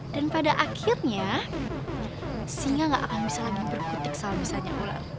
dan pada akhirnya singa gak akan bisa lagi berkutik sama misalnya ular